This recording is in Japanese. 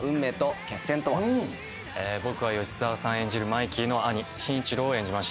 僕は吉沢さん演じるマイキーの兄真一郎を演じました。